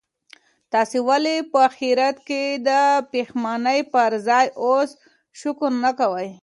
تاسي ولي په اخیرت کي د پښېمانۍ پر ځای اوس شکر نه کوئ؟